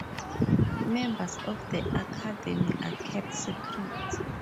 Members of the academy are kept secret.